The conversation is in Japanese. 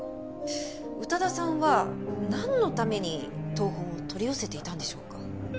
宇多田さんはなんのために謄本を取り寄せていたんでしょうか？